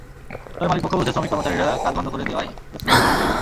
তবে মালিকপক্ষ বলছে, শ্রমিক-কর্মচারীরা কাজ বন্ধ করে দেওয়ায় রেস্তোরাঁগুলো বন্ধ রয়েছে।